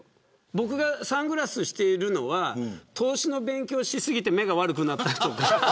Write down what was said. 僕がサングラスをしているのは投資の勉強し過ぎて目が悪くなったとか。